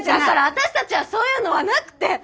だから私たちはそういうのはなくて。